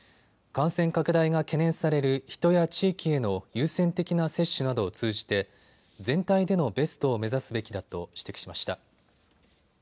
感染拡大が懸念される人や地域への優先的な接種などを通じて全体でのベストを目指すべきだと指摘しました。